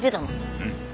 うん。